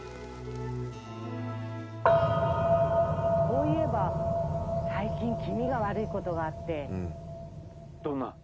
そういえば最近気味が悪いことがあってどんな？